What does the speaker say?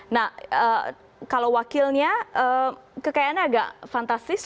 nah kalau wakilnya kekayaannya agak fantastis